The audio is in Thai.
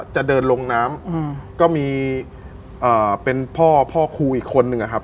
จะเดินลงน้ำก็มีเป็นพ่อพ่อครูอีกคนนึงอะครับ